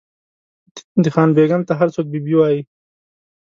د خان بېګم ته هر څوک بي بي وایي.